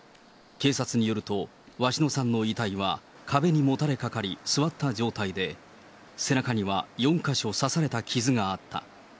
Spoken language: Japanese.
警察によると、鷲野さんの遺体は、壁にもたれかかり座った状態で、背中には４か所刺された傷があった。